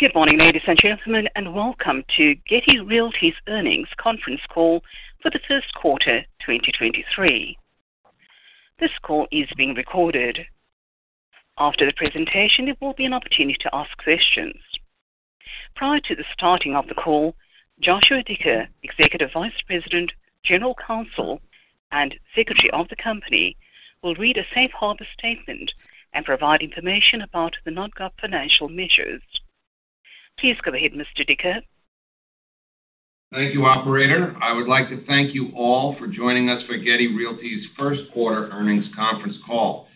Good morning, ladies and gentlemen, welcome to Getty Realty's Earnings Conference Call for the first quarter 2023. This call is being recorded. After the presentation, there will be an opportunity to ask questions. Prior to the starting of the call, Joshua Dicker, Executive Vice President, General Counsel, and Secretary of the company, will read a safe harbor statement and provide information about the non-GAAP financial measures. Please go ahead, Mr. Dicker. Thank you, operator. I would like to thank you all for joining us for Getty Realty's first quarter earnings conference call.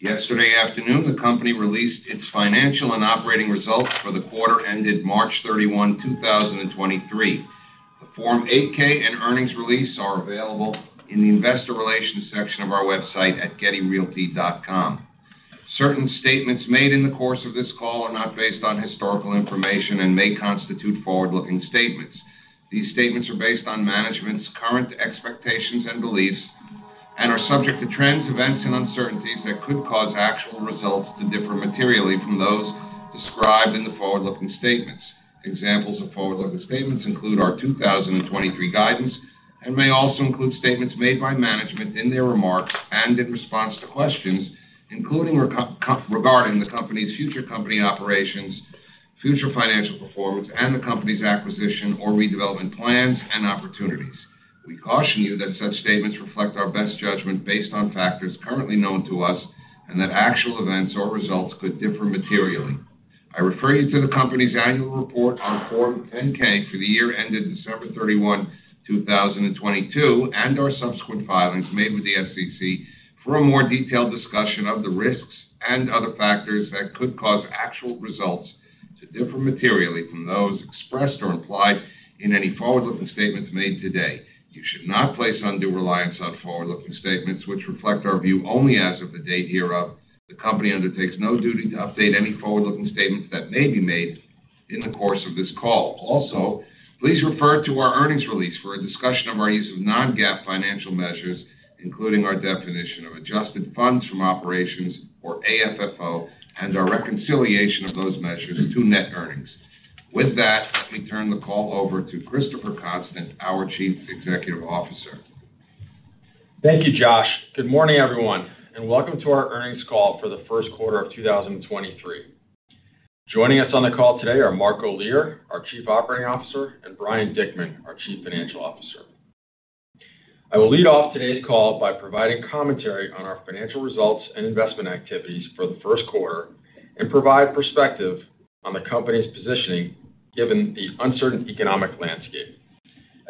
Yesterday afternoon, the company released its financial and operating results for the quarter ended March 31, 2023. The Form 8-K and earnings release are available in the investor relations section of our website at gettyrealty.com. Certain statements made in the course of this call are not based on historical information and may constitute forward-looking statements. These statements are based on management's current expectations and beliefs and are subject to trends, events, and uncertainties that could cause actual results to differ materially from those described in the forward-looking statements. Examples of forward-looking statements include our 2023 guidance and may also include statements made by management in their remarks and in response to questions, including regarding the company's future company operations, future financial performance, and the company's acquisition or redevelopment plans and opportunities. We caution you that such statements reflect our best judgment based on factors currently known to us, and that actual events or results could differ materially. I refer you to the company's annual report on Form 10-K for the year ended December 31, 2022, and our subsequent filings made with the SEC for a more detailed discussion of the risks and other factors that could cause actual results to differ materially from those expressed or implied in any forward-looking statements made today. You should not place undue reliance on forward-looking statements which reflect our view only as of the date hereof. The company undertakes no duty to update any forward-looking statements that may be made in the course of this call. Also, please refer to our earnings release for a discussion of our use of non-GAAP financial measures, including our definition of adjusted funds from operations or AFFO and our reconciliation of those measures to net earnings. With that, let me turn the call over to Christopher Constant, our Chief Executive Officer. Thank you, Josh. Good morning, everyone, welcome to our earnings call for the first quarter of 2023. Joining us on the call today are Mark Olear, our Chief Operating Officer, and Brian Dickman, our Chief Financial Officer. I will lead off today's call by providing commentary on our financial results and investment activities for the first quarter and provide perspective on the company's positioning given the uncertain economic landscape.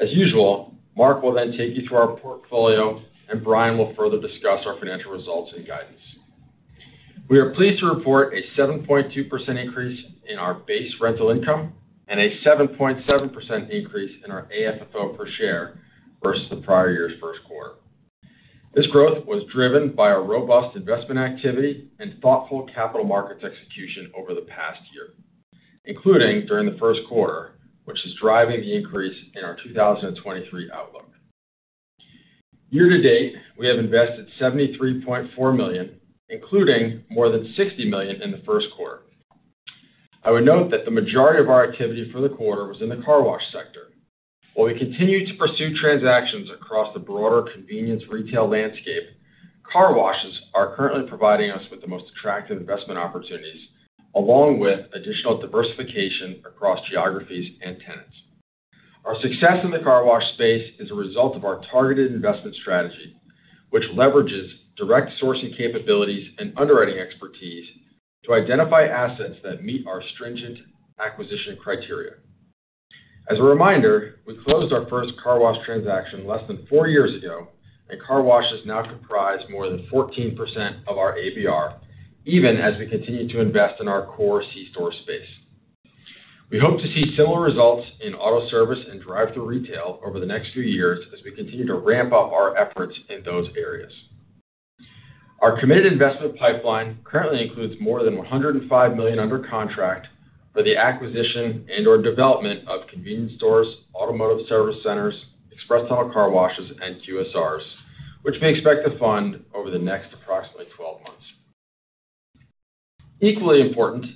As usual, Mark will then take you through our portfolio, and Brian will further discuss our financial results and guidance. We are pleased to report a 7.2% increase in our base rental income and a 7.7% increase in our AFFO per share versus the prior year's first quarter. This growth was driven by a robust investment activity and thoughtful capital markets execution over the past year, including during the first quarter, which is driving the increase in our 2023 outlook. Year to date, we have invested $73.4 million, including more than $60 million in the first quarter. I would note that the majority of our activity for the quarter was in the car wash sector. While we continue to pursue transactions across the broader convenience retail landscape, car washes are currently providing us with the most attractive investment opportunities, along with additional diversification across geographies and tenants. Our success in the car wash space is a result of our targeted investment strategy, which leverages direct sourcing capabilities and underwriting expertise to identify assets that meet our stringent acquisition criteria. As a reminder, we closed our first car wash transaction less than four years ago, and car wash has now comprised more than 14% of our ABR, even as we continue to invest in our core C-store space. We hope to see similar results in auto service and drive-thru retail over the next few years as we continue to ramp up our efforts in those areas. Our committed investment pipeline currently includes more than $105 million under contract for the acquisition and/or development of convenience stores, automotive service centers, express tunnel car washes, and QSRs, which we expect to fund over the next approximately 12 months. Equally important,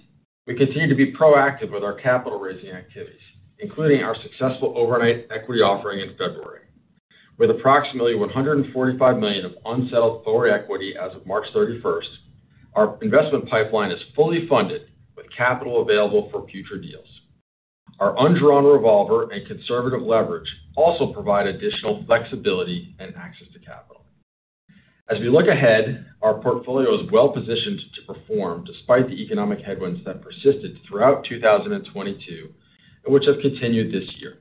we continue to be proactive with our capital raising activities, including our successful overnight equity offering in February. With approximately $145 million of unsettled forward equity as of March 31st, our investment pipeline is fully funded with capital available for future deals. Our undrawn revolver and conservative leverage also provide additional flexibility and access to capital. We look ahead, our portfolio is well positioned to perform despite the economic headwinds that persisted throughout 2022 and which have continued this year.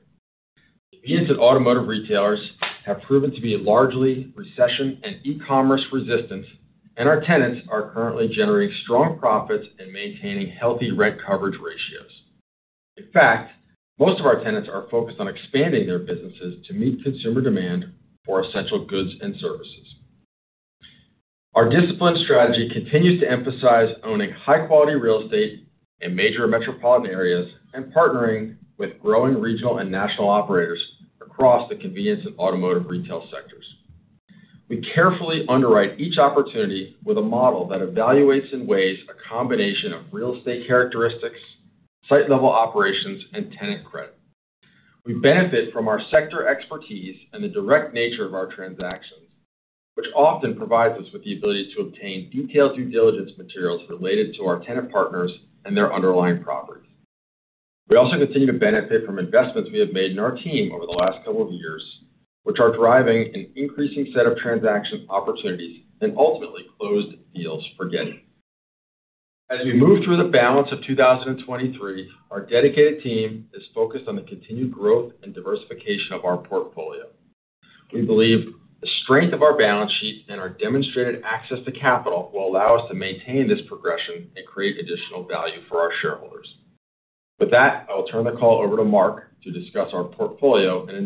Convenience and automotive retailers have proven to be largely recession and e-commerce resistant, our tenants are currently generating strong profits and maintaining healthy rent coverage ratios. In fact, most of our tenants are focused on expanding their businesses to meet consumer demand for essential goods and services. Our disciplined strategy continues to emphasize owning high-quality real estate in major metropolitan areas and partnering with growing regional and national operators across the convenience and automotive retail sectors. We carefully underwrite each opportunity with a model that evaluates and weighs a combination of real estate characteristics, site-level operations, and tenant credit. We benefit from our sector expertise and the direct nature of our transactions, which often provides us with the ability to obtain detailed due diligence materials related to our tenant partners and their underlying properties. We also continue to benefit from investments we have made in our team over the last couple of years, which are driving an increasing set of transaction opportunities and ultimately closed deals for Getty. As we move through the balance of 2023, our dedicated team is focused on the continued growth and diversification of our portfolio. We believe the strength of our balance sheet and our demonstrated access to capital will allow us to maintain this progression and create additional value for our shareholders. With that, I will turn the call over to Mark to discuss our portfolio and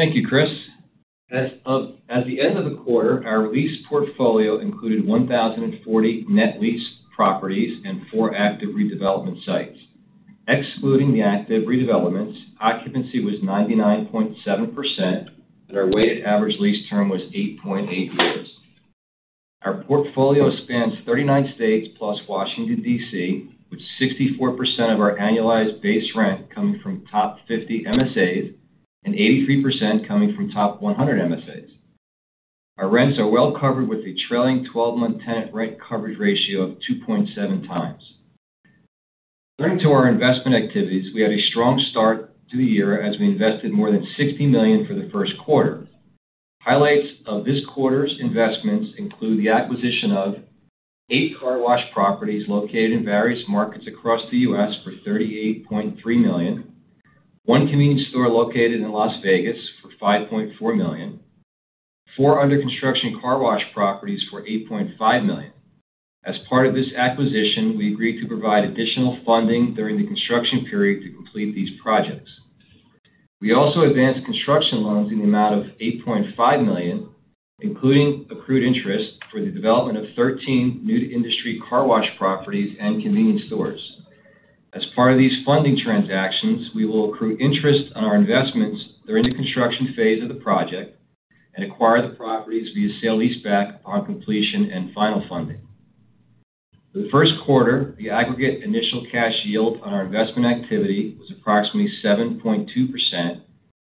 investment activities. Thank you, Chris. At the end of the quarter, our leased portfolio included 1,040 net leased properties and 4 active redevelopment sites. Excluding the active redevelopments, occupancy was 99.7%, and our weighted average lease term was 8.8 years. Our portfolio spans 39 states plus Washington, D.C., with 64% of our annualized base rent coming from top 50 MSAs and 83% coming from top 100 MSAs. Our rents are well covered with a trailing twelve-month tenant rent coverage ratio of 2.7 times. Turning to our investment activities, we had a strong start to the year as we invested more than $60 million for the first quarter. Highlights of this quarter's investments include the acquisition of eight car wash properties located in various markets across the U.S. for $38.3 million, one convenience store located in Las Vegas for $5.4 million, four under-construction car wash properties for $8.5 million. As part of this acquisition, we agreed to provide additional funding during the construction period to complete these projects. We also advanced construction loans in the amount of $8.5 million, including accrued interest for the development of 13 new-to-industry car wash properties and convenience stores. As part of these funding transactions, we will accrue interest on our investments during the construction phase of the project and acquire the properties via sale leaseback upon completion and final funding. For the first quarter, the aggregate initial cash yield on our investment activity was approximately 7.2%,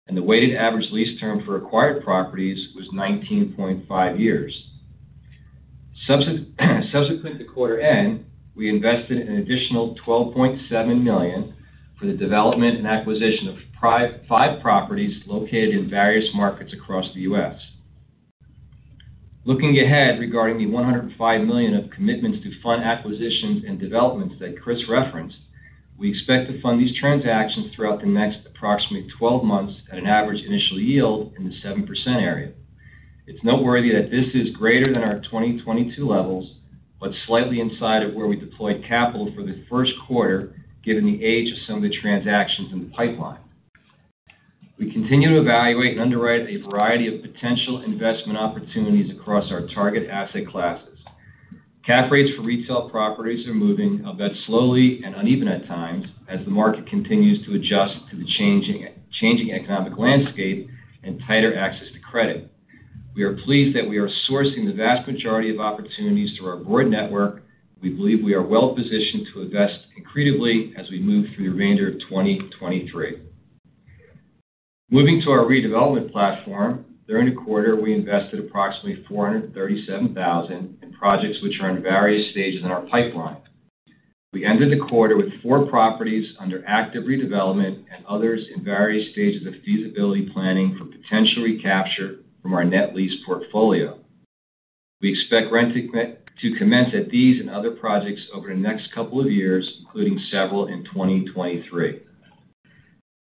and the weighted average lease term for acquired properties was 19.5 years. Subsequent to quarter end, we invested an additional $12.7 million for the development and acquisition of five properties located in various markets across the U.S. Looking ahead, regarding the $105 million of commitments to fund acquisitions and developments that Chris referenced, we expect to fund these transactions throughout the next approximately 12 months at an average initial yield in the 7% area. It's noteworthy that this is greater than our 2022 levels, but slightly inside of where we deployed capital for the first quarter, given the age of some of the transactions in the pipeline. We continue to evaluate and underwrite a variety of potential investment opportunities across our target asset classes. Cap rates for retail properties are moving, albeit slowly and uneven at times, as the market continues to adjust to the changing economic landscape and tighter access to credit. We are pleased that we are sourcing the vast majority of opportunities through our broad network. We believe we are well-positioned to invest creatively as we move through the remainder of 2023. Moving to our redevelopment platform, during the quarter, we invested approximately $437,000 in projects which are in various stages in our pipeline. We ended the quarter with four properties under active redevelopment and others in various stages of feasibility planning for potential recapture from our net lease portfolio. We expect rent to commence at these and other projects over the next couple of years, including several in 2023.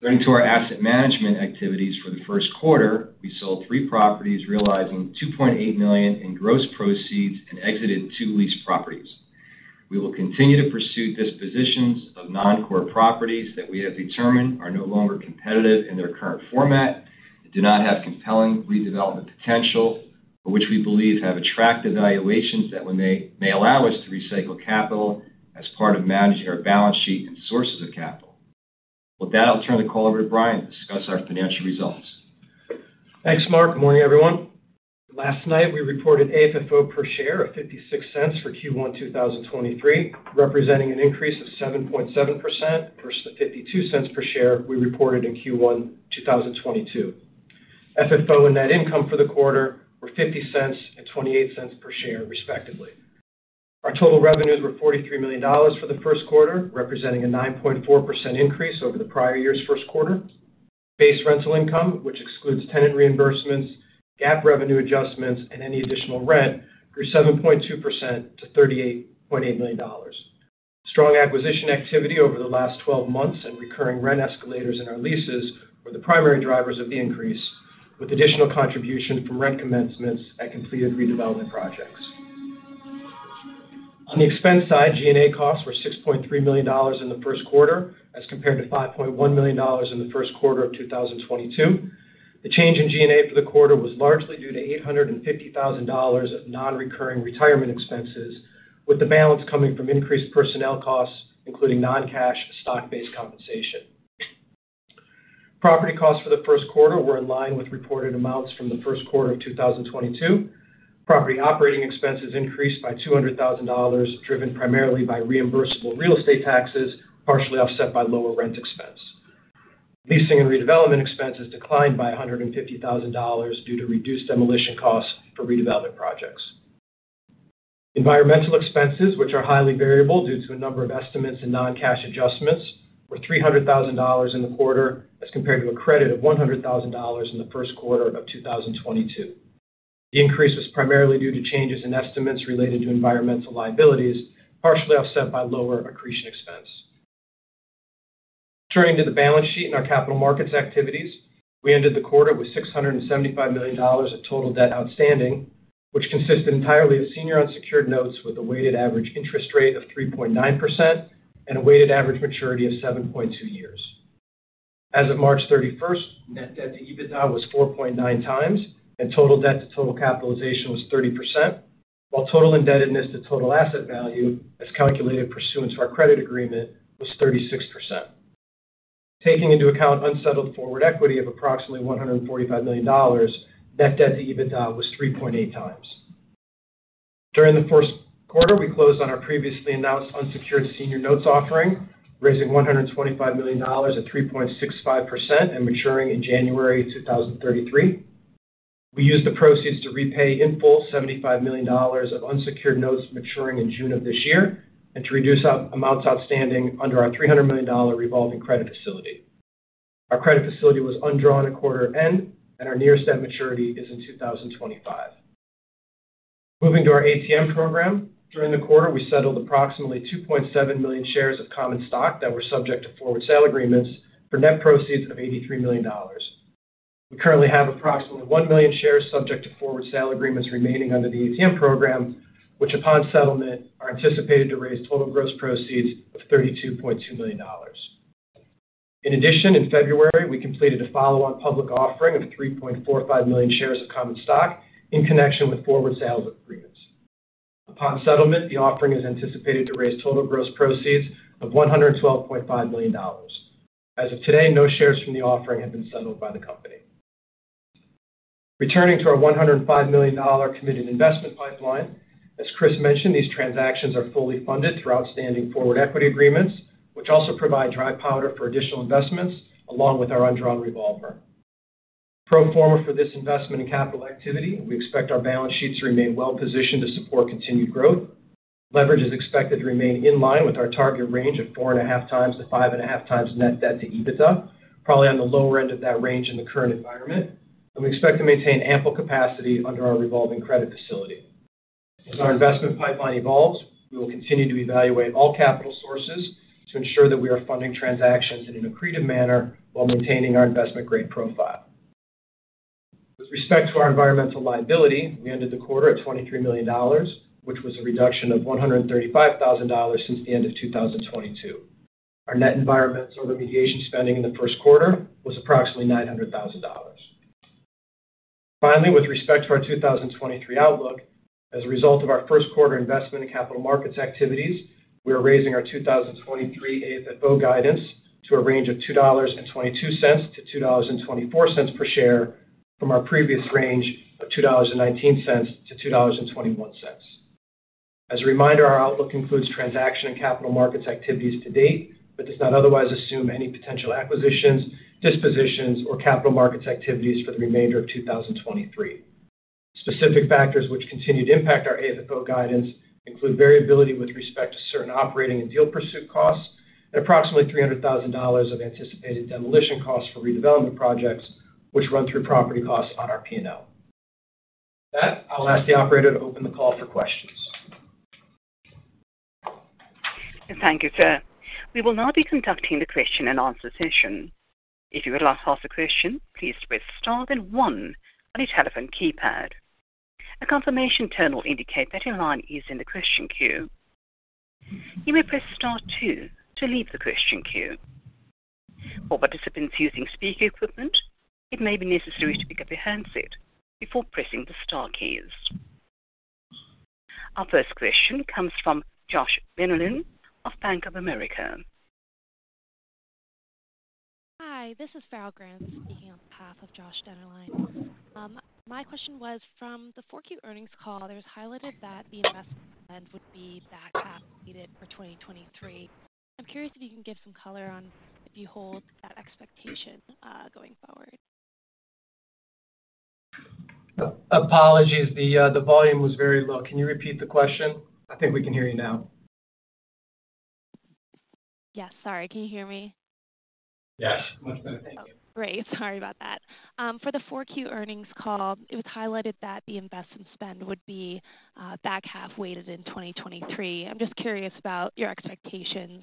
Turning to our asset management activities for the first quarter, we sold three properties, realizing $2.8 million in gross proceeds and exited two lease properties. We will continue to pursue dispositions of non-core properties that we have determined are no longer competitive in their current format, do not have compelling redevelopment potential, but which we believe have attractive valuations that when may allow us to recycle capital as part of managing our balance sheet and sources of capital. With that, I'll turn the call over to Brian to discuss our financial results. Thanks, Mark. Good morning, everyone. Last night, we reported AFFO per share of $0.56 for Q1 2023, representing an increase of 7.7% versus the $0.52 per share we reported in Q1 2022. AFFO and net income for the quarter were $0.50 and $0.28 per share, respectively. Our total revenues were $43 million for the first quarter, representing a 9.4% increase over the prior year's first quarter. Base rental income, which excludes tenant reimbursements, GAAP revenue adjustments, and any additional rent, grew 7.2% to $38.8 million. Strong acquisition activity over the last 12 months and recurring rent escalators in our leases were the primary drivers of the increase, with additional contribution from rent commencements at completed redevelopment projects. On the expense side, G&A costs were $6.3 million in the first quarter as compared to $5.1 million in the first quarter of 2022. The change in G&A for the quarter was largely due to $850,000 of non-recurring retirement expenses, with the balance coming from increased personnel costs, including non-cash stock-based compensation. Property costs for the first quarter were in line with reported amounts from the first quarter of 2022. Property operating expenses increased by $200,000, driven primarily by reimbursable real estate taxes, partially offset by lower rent expense. Leasing and redevelopment expenses declined by $150,000 due to reduced demolition costs for redevelopment projects. Environmental expenses, which are highly variable due to a number of estimates and non-cash adjustments, were $300,000 in the quarter as compared to a credit of $100,000 in the first quarter of 2022. The increase was primarily due to changes in estimates related to environmental liabilities, partially offset by lower accretion expense. Turning to the balance sheet and our capital markets activities. We ended the quarter with $675 million of total debt outstanding, which consists entirely of senior unsecured notes with a weighted average interest rate of 3.9% and a weighted average maturity of 7.2 years. As of March 31st, net debt to EBITDA was 4.9 times and total debt to total capitalization was 30%. While total indebtedness to total asset value, as calculated pursuant to our credit agreement, was 36%. Taking into account unsettled forward equity of approximately $145 million, net debt to EBITDA was 3.8x. During the first quarter, we closed on our previously announced unsecured senior notes offering, raising $125 million at 3.65% and maturing in January 2033. We used the proceeds to repay in full $75 million of unsecured notes maturing in June of this year, and to reduce out-amounts outstanding under our $300 million revolving credit facility. Our credit facility was undrawn at quarter end, and our nearest debt maturity is in 2025. Moving to our ATM program. During the quarter, we settled approximately 2.7 million shares of common stock that were subject to forward sale agreements for net proceeds of $83 million. We currently have approximately 1 million shares subject to forward sale agreements remaining under the ATM program, which, upon settlement, are anticipated to raise total gross proceeds of $32.2 million. In addition, in February, we completed a follow-on public offering of 3.45 million shares of common stock in connection with forward sale agreements. Upon settlement, the offering is anticipated to raise total gross proceeds of $112.5 million. As of today, no shares from the offering have been settled by the company. Returning to our $105 million committed investment pipeline. As Chris mentioned, these transactions are fully funded through outstanding forward equity agreements, which also provide dry powder for additional investments along with our undrawn revolver. Pro forma for this investment in capital activity, we expect our balance sheets to remain well positioned to support continued growth. Leverage is expected to remain in line with our targeted range of 4.5x-5.5x net debt to EBITDA, probably on the lower end of that range in the current environment, and we expect to maintain ample capacity under our revolving credit facility. As our investment pipeline evolves, we will continue to evaluate all capital sources to ensure that we are funding transactions in an accretive manner while maintaining our investment-grade profile. With respect to our environmental liability, we ended the quarter at $23 million, which was a reduction of $135,000 since the end of 2022. Our net environmental remediation spending in the first quarter was approximately $900,000. Finally, with respect to our 2023 outlook, as a result of our first quarter investment in capital markets activities, we are raising our 2023 AFFO guidance to a range of $2.22-$2.24 per share from our previous range of $2.19-$2.21. As a reminder, our outlook includes transaction and capital markets activities to date, but does not otherwise assume any potential acquisitions, dispositions, or capital markets activities for the remainder of 2023. Specific factors which continue to impact our AFFO guidance include variability with respect to certain operating and deal pursuit costs, and approximately $300,000 of anticipated demolition costs for redevelopment projects, which run through property costs on our P&L. With that, I'll ask the operator to open the call for questions. Thank you, sir. We will now be conducting the question and answer session. If you would like to ask a question, please press star then one on your telephone keypad. A confirmation tone will indicate that your line is in the question queue. You may press star two to leave the question queue. For participants using speaker equipment, it may be necessary to pick up your handset before pressing the star keys. Our first question comes from Josh Dennerlein of Bank of America. Hi, this is Farrell Granath speaking on behalf of Josh Dennerlein. My question was from the 4Q earnings call. There was highlighted that the investment spend would be back half weighted for 2023. I'm curious if you can give some color on if you hold that expectation going forward. Apologies. The volume was very low. Can you repeat the question? I think we can hear you now. Yes. Sorry. Can you hear me? Yes. Much better. Thank you. Great. Sorry about that. For the 4Q earnings call, it was highlighted that the investment spend would be back half weighted in 2023. I'm just curious about your expectations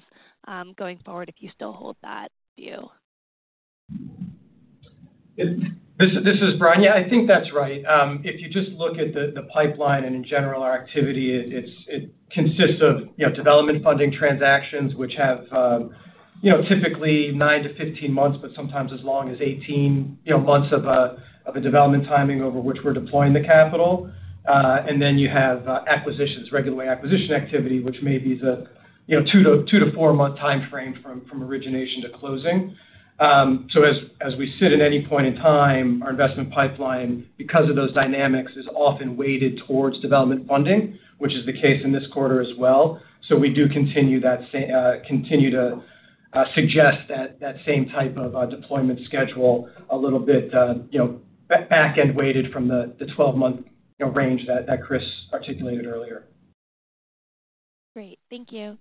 going forward, if you still hold that view. This is Brian. Yeah, I think that's right. If you just look at the pipeline and in general our activity, it consists of, you know, development funding transactions, which have, you know, typically 9-15 months, but sometimes as long as 18, you know, months of a development timing over which we're deploying the capital. You have acquisitions, regular acquisition activity, which may be the, you know, 2- to 4-month timeframe from origination to closing. As we sit at any point in time, our investment pipeline, because of those dynamics, is often weighted towards development funding, which is the case in this quarter as well. We do continue to. suggest that that same type of deployment schedule a little bit, you know, back-end weighted from the 12-month, you know, range that Chris articulated earlier. Great. Thank you.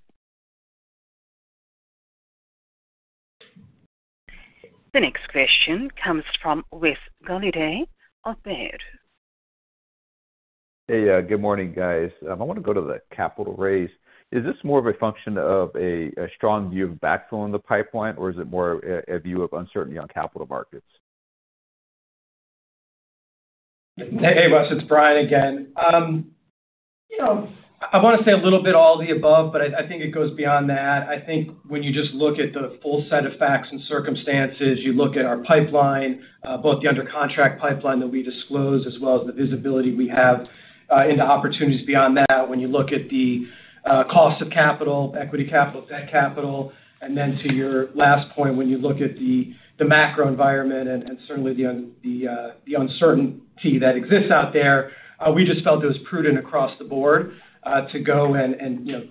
The next question comes from Wes Golladay of Baird. Hey, good morning, guys. I wanna go to the capital raise. Is this more of a function of a strong view of backfill in the pipeline, or is it more a view of uncertainty on capital markets? Hey, Wes. It's Brian again. you know, I wanna say a little bit all of the above, but I think it goes beyond that. I think when you just look at the full set of facts and circumstances, you look at our pipeline, both the under contract pipeline that we disclosed, as well as the visibility we have into opportunities beyond that. When you look at the cost of capital, equity capital, debt capital, and then to your last point, when you look at the macro environment and certainly the uncertainty that exists out there, we just felt it was prudent across the board to go and, you know,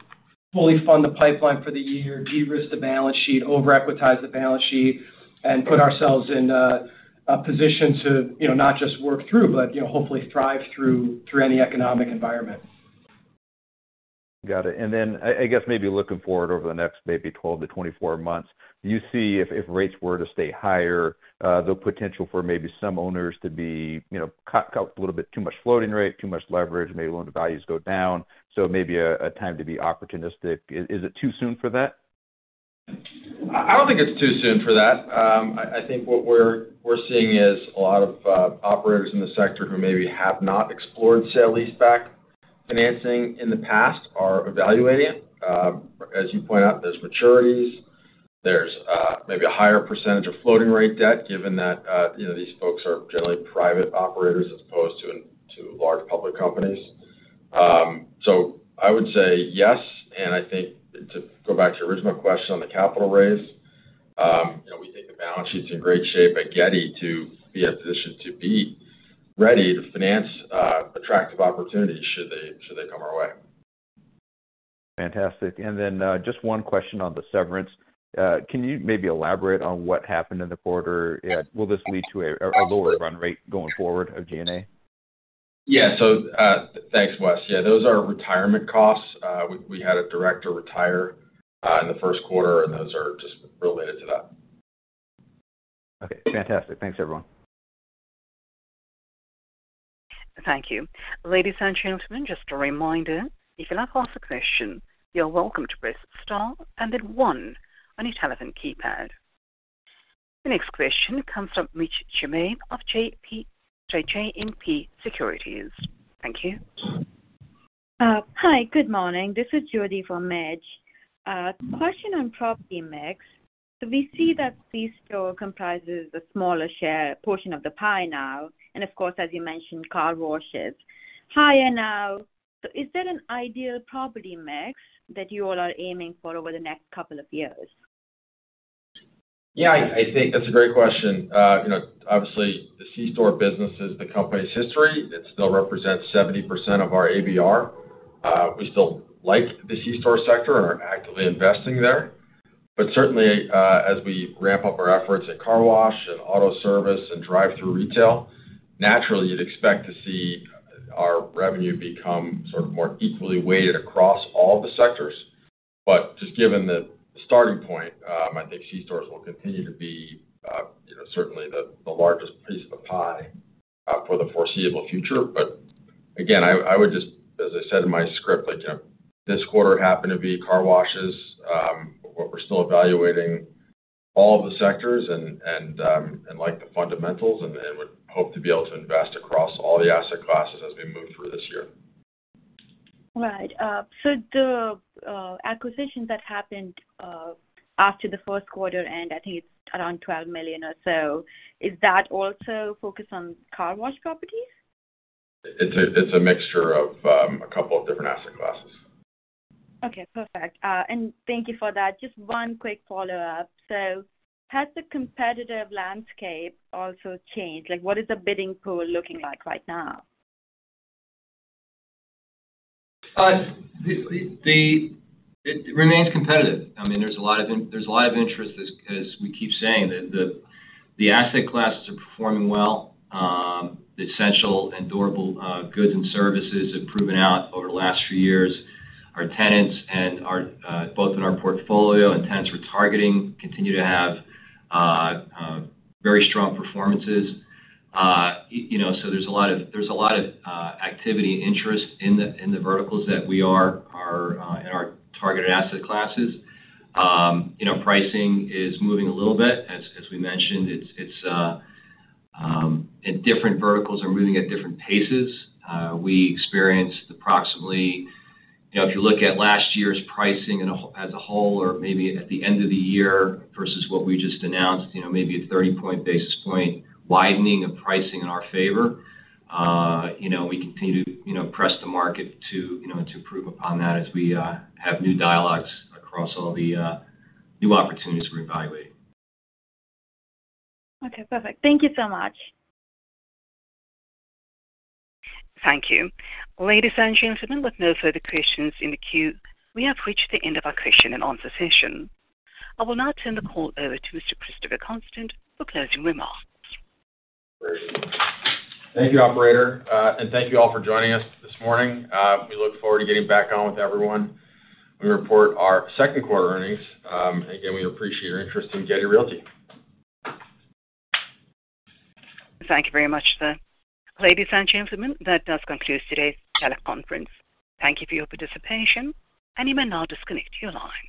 fully fund the pipeline for the year, de-risk the balance sheet, over-equitize the balance sheet, and put ourselves in a position to, you know, not just work through, but, you know, hopefully thrive through any economic environment. Got it. I guess maybe looking forward over the next maybe 12-24 months, do you see if rates were to stay higher, the potential for maybe some owners to be, you know, cut a little bit too much floating rate, too much leverage, maybe loan to values go down, so maybe a time to be opportunistic. Is it too soon for that? I don't think it's too soon for that. I think what we're seeing is a lot of operators in the sector who maybe have not explored sale and lease back financing in the past are evaluating it. As you point out, there's maturities, there's maybe a higher percentage of floating rate debt given that, you know, these folks are generally private operators as opposed to large public companies. I would say yes, and I think to go back to your original question on the capital raise, you know, we think the balance sheet's in great shape at Getty to be in a position to be ready to finance attractive opportunities should they come our way. Fantastic. Just one question on the severance. Can you maybe elaborate on what happened in the quarter? Will this lead to a lower run rate going forward of G&A? Thanks, Wes. Those are retirement costs. We had a director retire in the first quarter, and those are just related to that. Okay, fantastic. Thanks, everyone. Thank you. Ladies and gentlemen, just a reminder, if you'd like to ask a question, you're welcome to press star and then one on your telephone keypad. The next question comes from Mitch Germain of JMP Securities. Thank you. Hi. Good morning. This is Judy for Mitch. Question on property mix. We see that C-store comprises a smaller share portion of the pie now, and of course, as you mentioned, car washes higher now. Is there an ideal property mix that you all are aiming for over the next couple of years? I think that's a great question. you know, obviously, the C-store business is the company's history. It still represents 70% of our ABR. We still like the C-store sector and are actively investing there, but certainly, as we ramp up our efforts in car wash and auto service and drive-through retail, naturally you'd expect to see our revenue become sort of more equally weighted across all the sectors. Just given the starting point, I think C-stores will continue to be, you know, certainly the largest piece of the pie, for the foreseeable future. Again, I would just, as I said in my script, like, you know, this quarter happened to be car washes. We're still evaluating all of the sectors and the fundamentals and would hope to be able to invest across all the asset classes as we move through this year. Right. The acquisition that happened after the first quarter and I think it's around $12 million or so, is that also focused on car wash properties? It's a mixture of a couple of different asset classes. Okay, perfect. Thank you for that. Just one quick follow-up. Has the competitive landscape also changed? Like, what is the bidding pool looking like right now? It remains competitive. I mean, there's a lot of interest as we keep saying. The asset classes are performing well. The essential and durable goods and services have proven out over the last few years. Our tenants and our both in our portfolio and tenants we're targeting continue to have very strong performances. You know, so there's a lot of activity and interest in the in the verticals that we are in our targeted asset classes. You know, pricing is moving a little bit. As we mentioned, it's. Different verticals are moving at different paces. We experienced approximately, you know, if you look at last year's pricing as a whole or maybe at the end of the year versus what we just announced, you know, maybe a 30 basis points widening of pricing in our favor. You know, we continue to, you know, press the market to, you know, to improve upon that as we have new dialogues across all the new opportunities we're evaluating. Okay, perfect. Thank you so much. Thank you. Ladies and gentlemen, with no further questions in the queue, we have reached the end of our question and answer session. I will now turn the call over to Mr. Christopher Constant for closing remarks. Great. Thank you, operator. Thank you all for joining us this morning. We look forward to getting back on with everyone when we report our second quarter earnings. Again, we appreciate your interest in Getty Realty. Thank you very much, sir. Ladies and gentlemen, that does conclude today's teleconference. Thank you for your participation, and you may now disconnect your line.